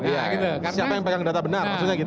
iya siapa yang pegang data benar maksudnya gitu